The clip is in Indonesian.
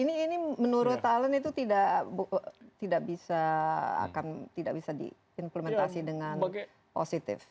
ini menurut talen itu tidak bisa diimplementasi dengan positif